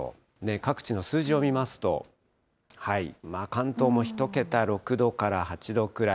各地の数字を見ますと、関東も１桁、６度から８度くらい。